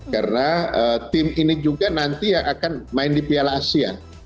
karena tim ini juga nanti yang akan main di piala asia